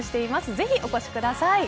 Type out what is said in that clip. ぜひお越しください。